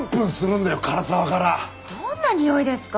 どんなにおいですか？